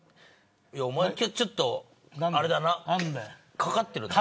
おまえちょっと、あれだなかかってるな。